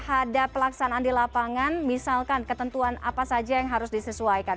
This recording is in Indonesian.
terhadap pelaksanaan di lapangan misalkan ketentuan apa saja yang harus disesuaikan